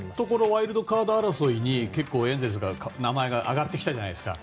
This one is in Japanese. ワイルドカード争いにここのところ結構、エンゼルスの名前が挙がってきたじゃないですか。